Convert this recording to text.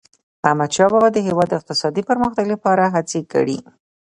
احمدشاه بابا د هیواد د اقتصادي پرمختګ لپاره هڅي کړي.